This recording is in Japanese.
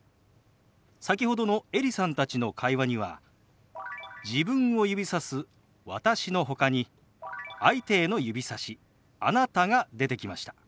先ほどのエリさんたちの会話には自分を指さす「私」のほかに相手への指さし「あなた」が出てきました。